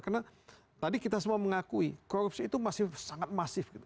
karena tadi kita semua mengakui korupsi itu masih sangat masif